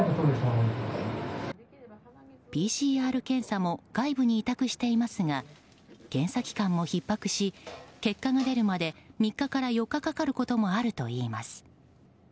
ＰＣＲ検査も外部に委託していますが検査機関もひっ迫し結果が出るまで３日から４日かかることもあるといいます。